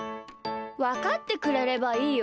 わかってくれればいいよ。